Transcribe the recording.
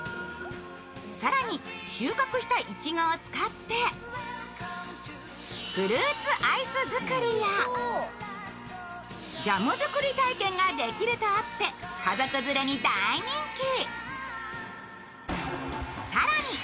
更に、収穫したいちごを使ってフルーツアイス作りやジャム作り体験ができるとあって家族連れに大人気。